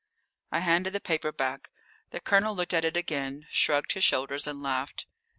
I handed the paper back. The Colonel looked at it again, shrugged his shoulders, and laughed.